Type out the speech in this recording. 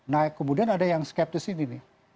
nah kemudian ada yang skeptis ini nih